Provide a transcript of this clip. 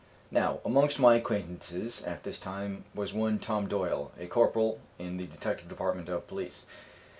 Now, amongst my acquaintances at this time was one Tom Doyle, a corporal in the detective department of police.